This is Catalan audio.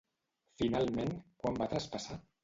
Finalment, quan va traspassar?